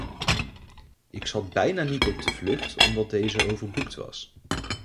Ik zat bijna niet op de vlucht omdat deze overboekt was.